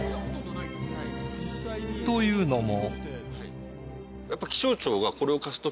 というのも